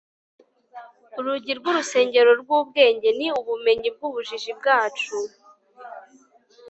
urugi rw'urusengero rw'ubwenge ni ubumenyi bw'ubujiji bwacu